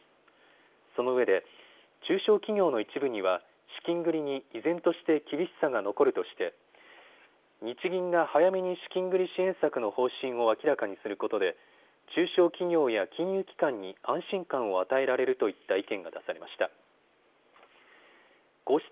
そのうえで中小企業の一部には資金繰りに依然として厳しさが残るとして日銀が早めに資金繰り支援策の方針を明らかにすることで中小企業や金融機関に安心感を与えられるといった意見が出されました。